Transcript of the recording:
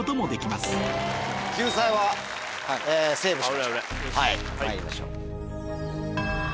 まいりましょう。